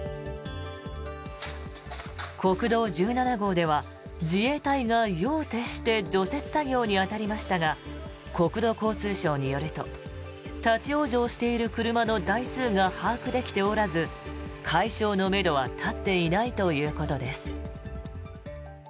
国道１７号では自衛隊が夜を徹して除雪作業に当たりましたが国土交通省によると立ち往生している車の台数が把握できておらず、解消のめどは立っていないということです。